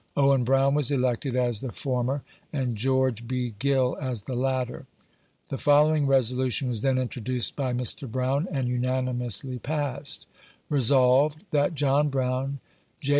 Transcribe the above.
Owen Brown was eleeted a& the former, and George B. Gill as the latter. The following resolution was then introduced by Mr. Brown, and unani mously passed :— Resolved, That John Brown, J.